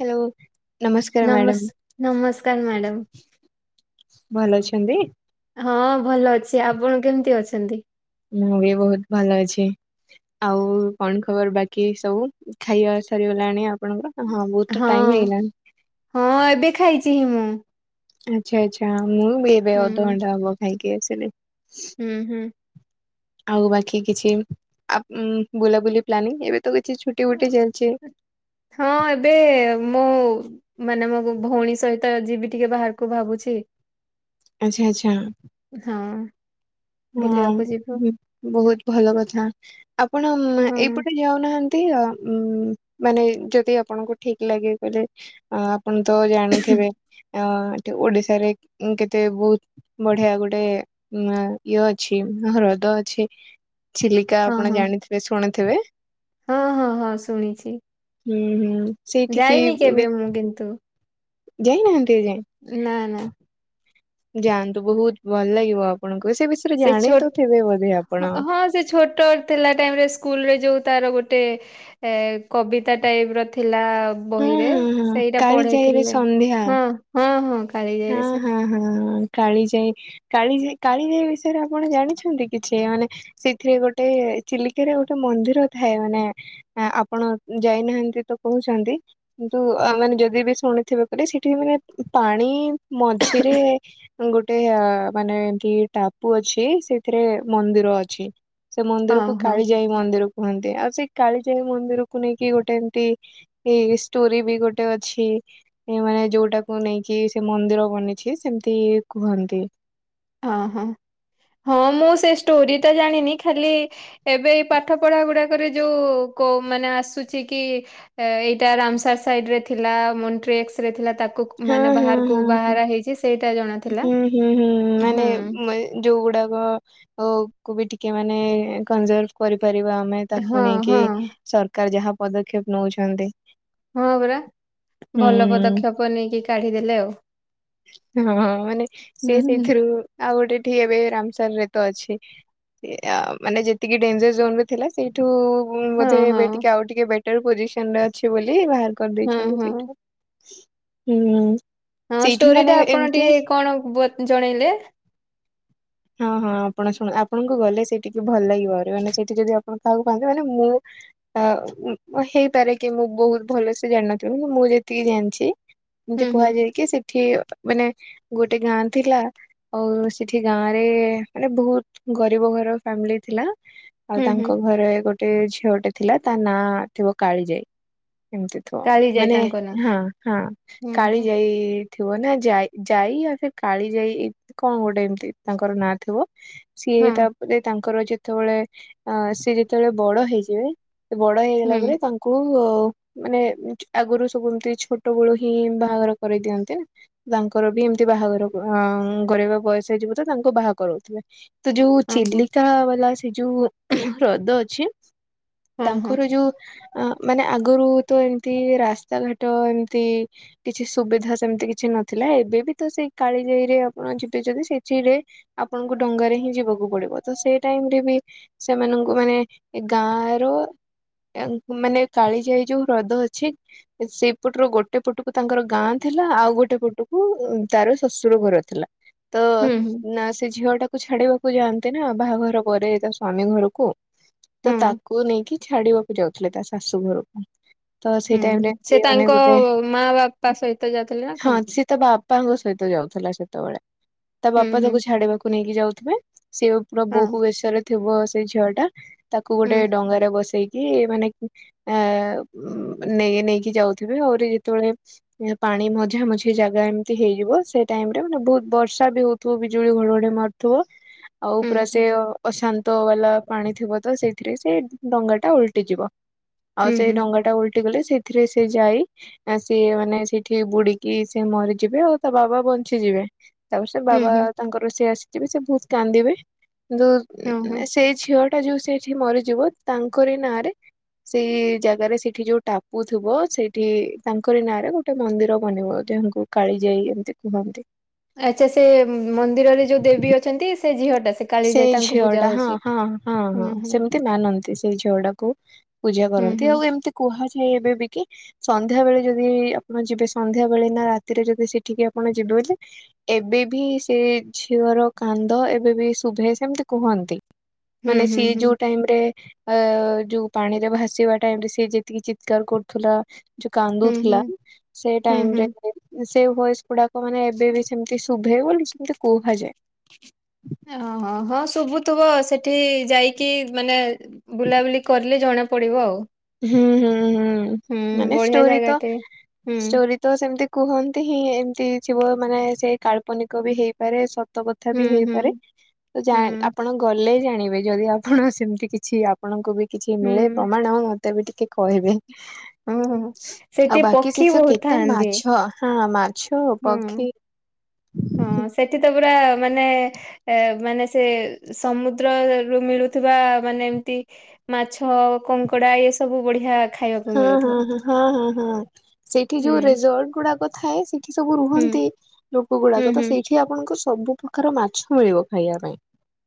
Hello ନମସ୍କାର madam ନମସ୍ ନମସ୍କାର ମ୍ୟାଡ଼ମ୍। ଭଲ ଅଛନ୍ତି। ହଁ ଭଲ ଅଛି ଆପଣ କେମିତି ଅଛନ୍ତି? ମୁଁ ବି ବହୁତ ଭଲ ଅଛି। ଆଉ କଣ ଖବର ବାକି ସବୁ ଖାଇବା ସରିଗଲାଣି ଆପଣଙ୍କର? ବହୁତ ତ ହଁ ଟାଇମ ହେଇଗଲାଣି। ହଁ ଏବେ ଖାଇଛି ହିଁ ମୁଁ। ଆଛା ଆଚ୍ଛା ମୁଁ ବି ଏବେ ହୁଁ ଅଧଘଣ୍ଟା ହବ ଖାଇକି ଆସିଲି। ହୁଁ ହୁଁ। ଆଉ ବାକି କିଛି? ଆ ବୁଲାବୁଲି ପ୍ଲାନିଂ ଏବେ ତ କିଛି ଛୁଟି ବୁଟି ଚାଲିଛି। ହଁ ଏବେ ମୁଁ ମାନେ ମୋ ଭଉଣୀ ସହିତ ଯିବି ଟିକେ ବାହାରକୁ ଭାବୁଛି। ଆଚ୍ଛା ଆଚ୍ଛା। ହଁ। ହଁ ବୁଲିବାକୁ ଯିବୁ ବହୁତ ଭଲ କଥା ଆପଣ ହଁ ଏଇପଟେ ଯାଉନାହାନ୍ତି। ନ୍ତୀ ମାନେଯଦି ଆପଣଙ୍କୁ ଠିକ ଲାଗେ କଲେ ଆପଣ ତ ଜାଣିଥିବେ ଅଏଠି ଓଡିଶାରେ କେତେ ବହୁତ ବଢିଆ ଗୋଟେ ଉ ଇଏ ଅଛି ହ୍ରଦ ଅଛି ଚିଲିକା ହଁ ଆପଣ ହଁ ଜାଣିଥିବେ ଶୁଣିଥିବେ? ହଁ ହଁ ହଁ ଶୁଣିଛି। ହୁଁ ହୁଁ ସେଇଠିକି ଯାଇନି କେବେ ବି ମୁଁ କିନ୍ତୁ। ଯାଇନାହାନ୍ତି ଏଯାଏ? ନା ନା। ଯାଆନ୍ତୁ ବହୁତ ଭଲ ଲାଗିବ ଆପଣଙ୍କୁ ସେ ବିଷୟରେ ଜାଣି ତଥିବେ ବୋଧେ ଆପଣ। ହଁ ଛୋଟ ଥିଲା ଟାଇମରେ ସ୍କୁଲରେ ଯୋଉ ତାର ଗୋଟେ କବିତା ତା ଟାଇପର ଥିଲା ହଁ ବହିରେ ହଁ ହଁ ସେଇଟା କାଳିଜାଇରେ ପଢେଇଥିଲେ ସନ୍ଧ୍ୟା ହଁ। ହଁ ହଁ କାଳିଜାଇ ହଁ ରେସମ ହଁ ହଁ କାଳି ଯାଇ। କାଳିଜାଇ କାଳିଜାଇ ବିଷୟରେ ଆପଣ ଜାଣିଛନ୍ତି କିଛି ମାନେ ସେଥିରେ ଗୋଟେ ଚିଲିକାରେ ଗୋଟେ ମନ୍ଦିର ଥାଏ ମାନେ ଆପଣ ଯାଇନାହାନ୍ତି ତ କହୁଛନ୍ତି। କିନ୍ତୁ ଆ ମାନେ ଯଦି ବି ଶୁଣିଥିବେ [inaudible] ସେଠି ମାନେ ପାଣି ମଝିରେ ଗୋଟେ ଆ ମାନେ ଏମତି ଟାପୁ ଅଛି ସେଥିରେ ମନ୍ଦିର ଅଛି। ସେ ହଁ ମନ୍ଦିରକୁ ହଁ କାଳିଜାଇ ମନ୍ଦିର କୁହନ୍ତି ଆଉ ସେଇ କାଳିଜାଇ ମନ୍ଦିରକୁ ନେଇକି ଗୋଟେ ଏମତି ଏଇ ଷ୍ଟୋରି ବି ଗୋଟେ ଅଛି ଏ ମାନେ ଯୋଉଟାକୁ ନେଇକି ସେ ମନ୍ଦିର ବନିଛି ସେମିତି କୁହନ୍ତି। ଅଁ ହଁ ହଁ ମୁଁ ସେ ଷ୍ଟୋରି ତ ଜାଣିନି ଖାଲି ଏବେ ଏଇ ପାଠପଢା ଗୁଡାକରେ ଯୋଉ କୋ ମାନେ ଆସୁଛି କି ଏଇଟା ରାମସାର ସାଇଡ ରେ ଥିଲା ମଣ୍ଟ୍ରିଏକ୍ସ ରେ ଥିଲା ତାକୁ ହଁ ମାନେ ହଁ ହଁ ବାହାରକୁ ହଁ ବାହାର ହେଇଛି ସେଇଟା ଜଣାଥିଲା। ହୁଁ ହୁଁ ହୁଁ ମାନେ [inaudible] ଯୋଉ ଗୁଡାକ ଅ କୁ ବି ଟିକେ ମାନେ କନଜର୍ଭ କରିପାରିବା ଆମେ ହଁ ତାକୁ ନେଇକି ହଁ ସରକାର ଯାହା ପଦକ୍ଷେପ ନଉଛନ୍ତି। ହଁ ପରା ହୁଁ ଭଲ ପଦକ୍ଷେପ ନେଇକି କାଢିଦେଲେ ଆଉ। ହଁ ମାନେ ସେ ହୁଁ ହୁଁ ସେଇଥିରୁ ଆଉ ଗୋଟେ ଠି ଏବେ ରାମସର ରେ ତ ଅଛି ଏ ଆଁ ମାନେ ଯେତିକି ଡେଞ୍ଜର ଜୋନ ଥିଲା ସେଇଠୁ ହଁ ବୋଧେ ହଁ ଏବେ ଟିକେ ଆଉ ଟିକେ ବେଟର ପୋଜିସନ ରେ ଅଛି ବୋଲି ବାହାର ହଁ କରିଦେଇଛନ୍ତି ହଁ ସେଇଟା ହୁଁ। ହଁ ସେଇଠି ଷ୍ଟୋରି ମାନେ ଟା ଆପଣ ଏମିତି ଟିକେ କଣ ବତ୍ ଜଣେଇଲେ? ହଁ ହଁ ଆପଣ ଶୁଣ ଆପଣଙ୍କୁ ଗଲେ ସେଠିକି ଭଲ ଲାଗିବ ଆହୁରି ମାନେ ସେଇଠି ଯଦି ଆପଣ କାହାକୁ ପାଆନ୍ତେ ମାନେ ମୁଁ ଆ ହେଇପାରେ କି ମୁଁ ବହୁତ ଭଲସେ ଜାଣନଥିବି ମୁଁ ଯେତିକି ଜାଣିଚି ଏମିତି ହୁଁ ହୁଁ କୁହାଯାଏ କି ସେଠି ମାନେ ଗୋଟେ ଗାଁ ଥିଲା। ଆଉ ସେଠି ଗାଁ ରେ ମାନେ ବହୁତ ଗରିବ ଘର ଫ୍ୟାମିଲି ଥିଲା। ଆଉ ହୁଁ ହୁଁ ତାଙ୍କ ଘରେ ଗୋଟେ ଝିଅଟେ ଥିଲା ତା ନାଁ ଥିବ କାଳିଜାଇ ଏମିତି ତ କାଳି ଯାଇ ମାନେ ତାଙ୍କ ନାଁ ହଁ ହଁ ହୁଁ ହୁଁ କାଳିଜାଇ ଥିବ ନା ଜାଇ ଜାଇ ଆଉ ସେ କାଳିଜାଇ କଣ ଗୋଟେ ଏମତି ତାଙ୍କର ନାଁ ଥିବ। ସିଏ ହଁ ତାପରେ ତାଙ୍କର ଯେତେବେଳେ ଆଁ ସିଏ ଯେତେବେଳେ ବଡ ହେଇଯିବେ ସେ ବଡ ହେଇଗଲା ହୁଁ ପରେ ତାଙ୍କ୍ ଙ୍କୁ ମାନେ ଆଗରୁ ସବୁ ଏମିତି ଛୋଟ ବେଳୁ ହିଁ ବାହାଘର କରେଇଦିଅନ୍ତ। ତାଙ୍କର ବି ଏମିତି ବାହାଘର ଅଁ କରେଇବା ବୟସ ହେଇଚି ବୋଧେ ତାଙ୍କୁ ବାହା କରଉଥିଲେ। ତ ଯୋଉ ହଁ ହଁ ଚିଲିକା ବାଲା ସେ ଯୋଉ ହ୍ରଦ ଅଛି। ହଁ ହଁ ତାଙ୍କର ଯୋଉ ଅଁ ମାନେ ଆଗରୁ ତ ଏମିତି ରାସ୍ତାଘାଟ ଏମିତି କିଛି ସୁବିଧା ସେମିତି କି କିଛି ନଥିଲା ଏବେ ବି ତ ସେଇ କାଳିଜାଇରେ ଆପଣ ଯିବେ ଯଦି ସେଥିରେ ଆପଣଙ୍କୁ ଡଙ୍ଗାରେ ହିଁ ଯିବାକୁ ପଡିବ ତ ସେଇ ଟାଇମ୍ ରେ ବି ସେମାନଙ୍କୁ ମାନେ ଏ ଗାଁ ରୁ ଏଙ୍କ ମାନେ କାଳିଜାଇ ଯୋଉ ହ୍ରଦ ଅଛି ସେପଟରୁ ଗୋଟେ ପଟକୁ ତାଙ୍କର ଗାଁ ଥିଲା ଆଉ ଗୋଟ ଗୋଟେ ପଟକୁ ତାର ଶଶୁର ଘର ଥିଲା ତ ହୁଁ ହୁଁ ନା ସେ ଝିଅ ଟା ଛାଡିବାକୁ ଯାଆନ୍ତି ନା ବାହାଘର ପରେ ତା ସ୍ଵାମୀ ଘରକୁ ତ ହଁ ତାକ ତାକୁ ନେଇକି ଛାଡିବାକୁ ଯାଉଥିଲେ ତା ଶାଶୁ ଘରକୁ ତ ସେଇ ଟାଇମରେ କିଏ ମାନେ ଗୋଟେ ମାଁ ବାପା ସହିତ ଯାଉଥିଲେ ନା ହଁ କଣ? ସିଏ ତା ବାପାଙ୍କ ସହିତ ଯାଉଥିଲା ସେତେବେଳେ ତା ହୁଁ ବାପା ହୁଁ ତାକୁ ଛାଡିବାକୁ ନେଇକି ଯାଉଥିବେ। ସେ ପୁରା ହଁ ବୋହୁ ବେଶରେ ଥିବ ସେ ଝିଅ ଟା ତାକୁ ହୁଁ ଗୋଟେ ଡଙ୍ଗାରେ ବସେଇକି କି ମାନେ ଆଁ ନେଇ ନେଇକି ଯାଉଥିବେ ଆହୁରି ଯେତେବେଳେ ପାଣି ମଝି ମଝା ମଝି ଜାଗା ଏମିତି ହେଇଯିବ ସେ ଟାଇମ୍ ର ମାନେ ବହୁତ ବର୍ଷା ବି ହଉଥିବ ବିଜୁଳି ଘଡ଼ଘଡ଼ି ମାରୁଥିବ। ହ [unintelligible] ଆଉ ପୁରା ସେ ଅଶାନ୍ତ ବାଲା ପାଣି ଥିବ ତ ସେଇଥିରେ ସେ ଡଙ୍ଗା ଟା ଓଲଟିଯିବ। ଆଉ ହୁଁ ସେଇ ହୁଁ ଢଙ୍ଗା ଟା ଓଲଟି ଗଲେ ସେଥିରେ ସେ ଜାଇ ଆ ସିଏ ମାନେ ସେଇଠି ବୁଡ଼ି କି ସେ ମରିଯିବେ ଆଉ ତା ବାବା ବଞ୍ଚିଯିବେ ତାପରେ ସେ ହୁଁ ବାବା ହୁଁ ତାଙ୍କର ସେ ଆସିଯିବେ ସେ ବହୁତ କାନ୍ଦିବେ କିନ୍ତୁ ହଁ ହଁ ସେଇ ଝିଅ ଟା ଯୋଉ ସେ ଝିଅ ମରିଯିବ ତାଙ୍କରି ନାଁରେ? ସେଇ ଜାଗାରେ ସେଠି ଯୋଉ ଟାପୁ ଥିବ ସେଇଠି ତାଙ୍କରି ନାଁରେ ଗୋଟେ ମନ୍ଦିର ବନିବ ଦିହଙ୍କୁ କାଳି ଯାଇ ଏମିତି କୁହନ୍ତି। ଆଚ୍ଛା ସେ ମନ୍ଦିରରେ ଯଉଦେବୀ ଅଛନ୍ତି ସେ ଝିଅ ଟା ସେ କାଳିଜାଇ ସେଇ ତାଙ୍କୁ ପୂଜା ଝିଅଟା ହଁ ହଉଛି ହଁ ହଁ ହୁଁ ହଁ ହୁଁ ସେମ ତି ମାନନ୍ତି ସେଇ ଝୀଅ ଟାକୁ ପୂଜା ହୁଁ କରନ୍ତି ଆଉ ହୁଁ ଏମିତି କୁହାଯାଏ ଏବେ ବି କି? ସନ୍ଧ୍ୟା ବେଳେ ଯଦି ଆପଣ ଯିବେ ସନ୍ଧ୍ୟା ବେଳେ ନା ରାତିରେ ଯଦି ସେଠିକି ଆପଣ ଯିବେ ବୋଲି ଏବେ ବି ସେ ଝିଅର କାନ୍ଦ ଏବେ ବି ସ ଉଭାଏ ସେମତି କୁହନ୍ତି ମାନେ ହୁଁ ସିଏ ହୁଁ ହୁଁ ଯୋଉ ଟାଇମ୍ ରେ ଅ ଯୋଉ ପାଣି ରେ ଭାସିବା ଟାଇମ୍ ରେ ସେ ଯେତିକି ଚିତ୍କାର କରୁଥିଲା। ଯଉ ହୁଁ କାନ୍ଦୁଥିଲା ହୁଁ ସେ ହୁଁ ଟାଇମ୍ ହୁଁ ରେ ସେ ଭଏସ୍ ଗୁଡ଼ା ଲୋକ ମାନେ ଏବେ ବି ସେମିତି ଶୁଭେ ବୋଲି ସେମିତି କୁହାଯାଏ। ହଁ ହଁ ହଁ ଶୁଭୁଥିବ ସେଠି ଯାଇକି ମାନେ ବୁଲାବୁଲି କରିଲେ ଜଣା ପଡ଼ିବ ଆଉ। ହୁଁ ହୁଁ ହୁଁ ବଢିଆ ମାନେଷ୍ଟୋରି ତ ଜାଗାଟେ। ହୁଁ ଷ୍ଟୋରି ତ ସେମିତି କୁହନ୍ତି ହିଁ ଏମିତି ଯିବ ମାନେ ସେ କାଳ୍ପନିକ ବି ହେଇପାରେ ସ ତ୍ୟ କଥା ହୁଁ ବି ହୁଁ ହେଇପାରେ ତ ଜାଣ ହୁଁ ଆପଣ ଗଲେ ଜାଣିବେ ଯଦି ଆପଣ ସେମିତି କିଛି ଆ ପଣଙ୍କୁ ବି କିଛି ମିଳେ ହୁଁ ପ୍ରମାଣ ମତେ ବି ଟିକେ କହିବେ? ହଁ ହଁ। ଆଉ ସେଠି ବାକି ପକ୍ଷୀ ସେଥି ବହୁତ କେତେ ଥାଆନ୍ତି ମାଛ ହଁ ମାଛ? ହୁଁ ପକ୍ଷୀ ହୁଁ ସେଠି ତ ପୁରା ମାନେ ଏ ମାନେ ସେ ସମୁଦ୍ରରୁୁ ମିଳୁଥିବା ମାନେ ଏମତି ମାଛ କଙ୍କଡ଼ା ଏ ସବୁ ବଢ଼ିଆ ଖାଇବାକୁ। ହଁ ହଁ ମିଳୁଥିବ ହଁ ହଁ ହଁ ହଁ ସେଇଠି ହୁଁ। ଯୋଉ ରେଜର୍ଟ ଗୁଡ଼ାକ ଥାଏ ସେ ଠି ସବୁ ହୁଁ ରୁହନ୍ତି ଲୋକ ହୁଁ ଗୁଡ଼ାକ ତ ହୁଁ ସେଇଠି ଆପଣଙ୍କୁ ସବୁ ପ୍ରକାର ମାଛ ମିଳିବ ଖାଇବା ପାଇଁ।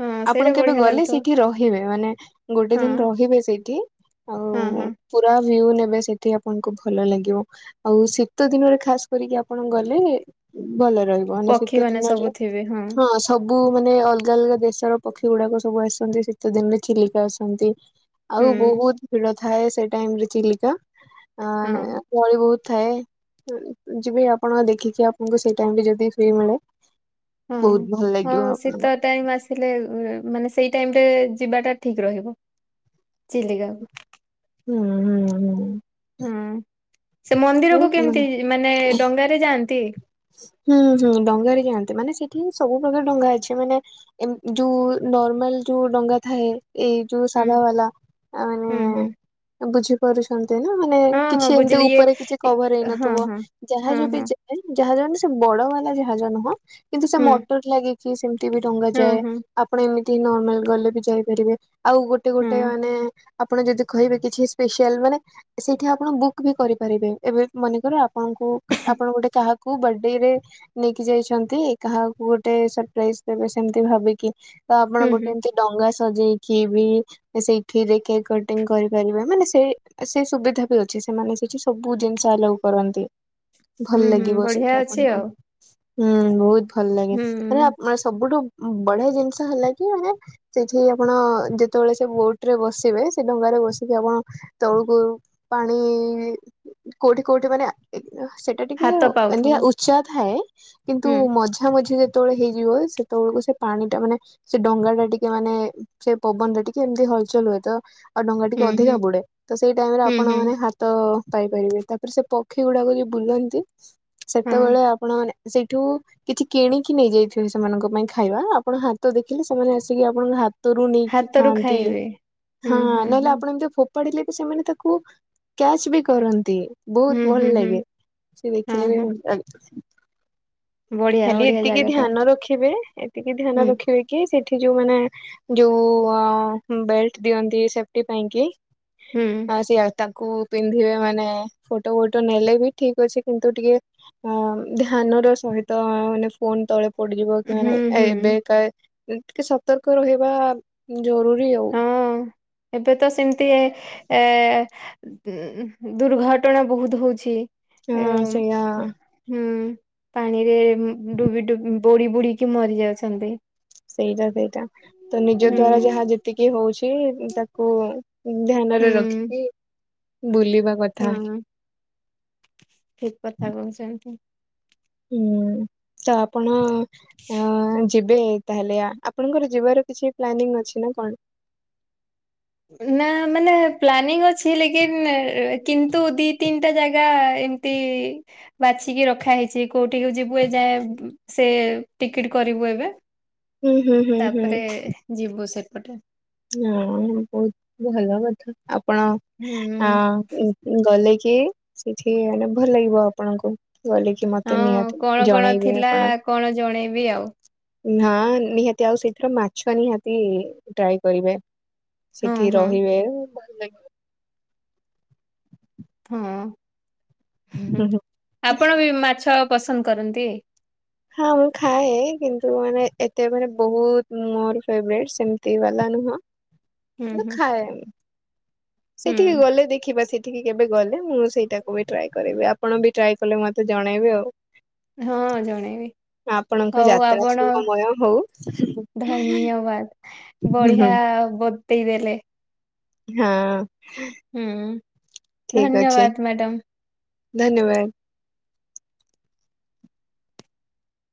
ହଁ ସେଇଟା ଆପଣ କେବେ ବଢିଆ ଗଲେ ଲାଗୁଥିବ ସେଇଠି ରହିବେ ମାନେ ଗୋଟେ ହଁ ଦିନ ରହିବେ ସେଇଠି ହଁ ଆଉ ହଁ ପୁରା ଭ୍ୟୁ ନେବେ ସେଠି ଆପଣଙ୍କୁ ଭଲ ଲାଗିବ। ଆଉ ଶୀତ ଦିନରେ ଖାସ କରିକି ଆପଣ ଗଲେ ଭଲ ରହିବ। ପକ୍ଷୀ ମାନେ ସବୁ ଥିବେ ହଁ। [unintelligible] ସବୁ ମାନେ ଅଲଗା ଅଲଗା ଦେଶର ପକ୍ଷୀ ଗୁଡ଼ା କ ସବୁ ଆସନ୍ତି ଶୀତ ଦିନରେ ଚିଲିକା ଆସନ୍ତି। ଆଉ ହୁଁ ବହୁତ ଭିଡ଼ ଥାଏ ସେ ଟାଇମ୍ ରେ ଚିଲିକା। ହଁ [unintelligible] ଗଳି ବହୁତ ଥାଏ। ଯିବେ ଆପଣ ଦେଖିଛି ଆପଣଙ୍କୁ ସେଇ ଟାଇମ୍ ରେ ଯଦି ଫ୍ରୀ ମିଳେ। ବହୁତ ଭଲ ଲାଗିବ ଆପଣଙ୍କୁ। ଟାଇମ୍ ଆସିଲେ ମାନେ ସେଇ ଟାଇମ୍ ରେ ଯିବାଟା ଠିକ୍ ରହିବ ଚିଲ୍ଲିକା। ହୁଁ ହୁଁ ହୁଁ। ସେ ହୁଁ ମନ୍ଦିରକୁ ବହୁତ କେମିତି ମାନେ ଡଙ୍ଗାରେ ଯାଆନ୍ତି? ହୁଁ ହୁଁ ଡଙ୍ଗାରେ ଯାଆନ୍ତି ମାନେ ସେଠି ହି ସବୁ ପ୍ର୍ରକାର ଡଙ୍ଗା ଅଛି ମାନେ ଏ ଯୋଉ ନର୍ମାଲ ଯୋଉ ଡଙ୍ଗା ଥାଏ ଏଇ ଯଉ ହୁଁ ସାଧା ବାଲା ମାନେ ହୁଁ ହୁଁ ବୁଝି ପାରୁଛନ୍ତି ନା ମାନେ ହଁ ହଁ କିଛି ଏମିତି ବୁଝିଲି ଇଏ ଉପରେ କିଛି ଇ- କଭର ହଁ ହେଇନଥିବ ହଁ। ହଁ ଯାହାଜ ବି ହଁ ଯାଏ ଜାହାଜ ମାନେ ବଡ ବାଲା ଯାହାଜ ନୁହଁ କିନ୍ତୁ ସେ ହୁଁ ମଟର ଲାଗିକି ସେମିତି ବି ହଁ ଡଙ୍ଗାାଯାଏ ହଁ ଆପଣ ଏମିତି ନର୍ମାଲ ଗଲେ ବି ଯାଇପାରିବେ ଆଉ ଗୋଟେ ହଁ ଗୋଟେ ମାନେ ଆପଣ ଯଦି କହିବେ କିଛି ସ୍ପସିଆଲ ମାନେ ସେଇଠି ଆପଣ ବୁକ୍ ବି କରିପାରିବେ ଏବେ ମନେକର ଆପଣଙ୍କୁ ଆପଣ ଗୋଟେ କାହାକୁ ବଡେ ରେ ନେଇକି ଯାଇଛନ୍ତି କାହାକୁ ଗୋଟେ ସପ୍ରାଇଯ ଦେବେ ସେମିତି ଭାବିକି ତ ଆପଣ ହୁଁ ହୁଁ ଗୋଟେ ଡଙ୍ଗା ସଜେଇକି ବି ସେଇ ଥିରେ କେକ କଟିଙ୍ଗ କରିପାରିବେ ମାନେ ସେଇ ସେ ସୁବିଧା ବି ଅଛି ସେମାନେ ସେଠି ସବୁ ଜିନିଷ ଆଲାଓ କରନ୍ତି ଭଲ ହୁଁ ହୁଁ ଲାଗିବ ବଢିଆ ସେଠି ଅଛି ଆପଣଙ୍କୁ ଆଉ। ହୁଁ ବହୁତ ଭଲ ଲାଗେ ହୁଁ ମାନେ ସବୁଠୁ ବଢିଆ ଜିନିଷ ହେଲା କି ସେଇଠି ଆପଣ ଯେତେବେଳେ ସେ ବୋଟ୍ ରେ ବସିବେ ସେ ଡଙ୍ଗାରେ ବସିକି ଆପଣ ତଳକୁ ପାଣି କୋଉଠି କୋଉଠି ମାନେ ସେ ଏଟା ଟିକେ ହାତ ପାଉଥିବ ଉଚ୍ଚା ଥାଏ କିନ୍ତୁ ହୁଁ ମଝା ମଝି ସେତେବେଳେ ହେଇଯିବ ସେତେବେଳକୁ ସେ ପାଣି ଟା ମାନେ ସେ ଡଙ୍ଗା ଟା ଟିକେ ମାନେ ସେ ପବନ ରେ ଟିକେ ଏମିତି ହଲଚଲ ହୁଏ ତ ଆଉ ଡଙ୍ଗା ଟିକେ ହୁଁ ହୁଁ ଅଧିକା ବୁଡେ ତ ସେଇ ଟାଇମ ରେ ହୁଁ ଆପଣ ହୁଁ ମାନେ ହାତ ତ ପାଇପାରିବେ ତାପରେ ସେ ପକ୍ଷୀ ଗୁଡାକ ଯୋଉ ବୁଲନ୍ତି ହଁ। ସେତେବେଳେ ଆପଣ ମାନେ ସେଇଠୁ କିଛି କିଣିକି ନେଇଯାଇଥିବେ ସେମାନଙ୍କ ପାଇଁ ଖାଇବା ଆପଣ ହାତ ଦେଖିଲେ ସେମାନେ ଆସିକି ଆପଣଙ୍କ ହାତ ହାତରୁ ନେଇକି ହାତରୁ ଖାଆନ୍ତି ଖାଇବେ। ହୁଁ ହଁ ହୁଁ ନହେଲେ ହୁଁ ଆପଣ ଏମିତି ଫୋପାଢିଲେ ବି ସେମାନେ ତାକୁ କ୍ୟାଚ ବି କରନ୍ତି ହୁଁ ବହୁତ ହୁଁ ଭଲ ହୁଁ ଲାଗେ ସେ ହଁ ହଁ ଆଜ୍ଞା। ବଢିଆ ଖାଲି ବଢିଆ ଏତିକି ଜାଗା ଟା ଧ୍ୟାନ ରଖିବେ ଏତିକି ଧ୍ୟାନ ହୁଁ ରଖିବେ କି ସେଠି ଯୋଉ ମାନେ ଯୋଉ ବେଲଟ୍ ଦିଅନ୍ତି ସେଫଟି ପାଇଁ କି ହୁଁ ବାସ ବାସ ତାକୁ ପିନ୍ଧିବେ ମାନେ ଫୋଟୋ ଫଟୋ ନେଲେ ବି ଠିକ୍ ଅଛି କିନ୍ତୁ ଟିକେ ହଁ ଧ୍ୟାନର ସହିତ ମାନେ ଫୋନ ତଳେ ପଡିଯିବ କି ମାନେ ହୁଁ ଏବେ ହୁଁ କା ଟିକେ ସତର୍କ ରହିବା ଜରୁରୀ ଆଉ ହଁ ଏବେ ତ ସେମିତି ଏ ଉ ଦୁର୍ଘଟଣା ବହୁତ ହଉଛି ହଁ ସେଇଆ ହୁଁ ପାଣିରେ ଡୁବି ଡୁବି ବୁଡି ବୁଡିକି ମରି ଯାଉଛନ୍ତି ସେଇଟା ସେଇଟା ତ ନିଜ ହୁଁ ଦ୍ଵାରା ଯାହା ଯେ ଏତିକି ହଉଛି ତାକୁ ଧ୍ୟାନରେ ରଖିକି ବୁଲିବାକୁ ହୁଁ। ଠିକ କଥା କହୁଛନ୍ତି। ହୁଁ ତ ଆପଣ ଅ ଯିବେ ତାହେଲେ ଆ ଆପଣଙ୍କର ଯିବାର କିଛି ପ୍ଲାନିଂ ଅଛି ନା କଣ? ନା ମାନେ ପ୍ଲାନିଂ ଅଛି ଲେକନ୍ କିନ୍ତୁ ଦି ତିନିଟା ଜାଗା ଏ ତି ବାଛିକି ରଖା ହେଇଛି କୋଉଠିକୁ ଯିବୁ ଏ ଯାଏ ସେ ଟିକିଟ କରିବୁ ଏବେ ଉ ହୁଁ ହୁଁ। ହୁଁ ତାପରେ ଯିବୁ ସେପଟେ ହଁ ବହୁତ ଭଲ କଥା ହୁଁ ଆପଣ ଗଲେ କି ସେଠି ମାନେ ଭଲ ଲାଗିବ ଆପଣଙ୍କୁ ଗଲେ କି ମତେ ହଁ ନିହାତି କଣ କଣ ଜଣେଇବେ ଥିଲା ଆପଣ କଣ ଜଣେଇବି ଆଉ। ହଁ ନିହାତି ଆଉ ସେଇଥିରେ ମାଛ ନିହାତି ଟ୍ରାଏ କରିବେ। ହଁ ସେଠି ରହିବେ। ଭଲ ହଁ ହୁଁ, ଲାଗିବ ଆପଣ ବି ମାଛ ପସନ୍ଦ କରନ୍ତି? ହଁ ମୁଁ ଖାଏ କିନ୍ତୁ ମାନେ ଏତେ ମାନେ ବହୁତ ମୋର ଫେବରାଇଟି ସେମିତି ବାଲା ନୁହଁ। ହୁଁ ମୁଁ ହୁଁ ଖାଏନି। ହୁଁ ସେଠିକି ଗଲେ ଦେଖିବା ସେ ଠିକି କେବେ ଗଲେ ମୁଁ ସେଇଟାକୁ ବି ଟ୍ରାଏ କରିବି ଆପଣ ବି ଟ୍ରାଏ କଲେ ମୋତେ ଜଣେଇବେ ଆଉ। ହଁ ଜଣେଇବି। ଆପଣଙ୍କ ହଉ ଯାତ୍ରା ଆପଣ ଶୁଭମୟ ହଉ। ଧନ୍ୟବାଦ। ହୁଁ ହୁଁ। ବଢିଆ ବତେଇ ଦେଲେ। ହଁ। ହୁଁ, ଠିକ ଅଛି ଧନ୍ୟବାଦ ମ୍ୟାଡାମ୍। ଧନ୍ୟବାଦ।